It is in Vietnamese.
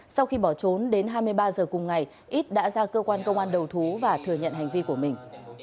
sau khi bỏ trốn đến hai mươi ba h cùng ngày ít đã ra cơ quan công an đầu thú và thừa nhận hành vi của mình